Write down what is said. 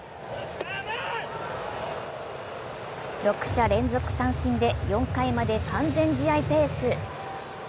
６者連続三振で４回まで完全試合ペース。